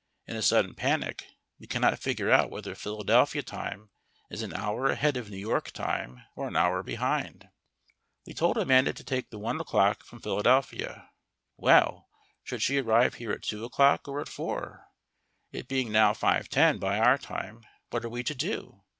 In a sudden panic we cannot figure out whether Philadelphia time is an hour ahead of New York time or an hour behind. We told Amanda to take the one o'clock from Philadelphia. Well, should she arrive here at two o'clock or at four? It being now 5:10 by our time, what are we to do?